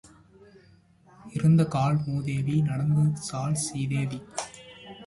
இருந்த கால் மூதேவி நடந்த கால் சீதேவி.